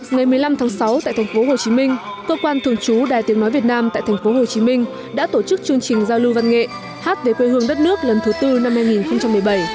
ngày một mươi năm tháng sáu tại thành phố hồ chí minh cơ quan thường trú đài tiếng nói việt nam tại thành phố hồ chí minh đã tổ chức chương trình giao lưu văn nghệ hát về quê hương đất nước lần thứ tư năm hai nghìn một mươi bảy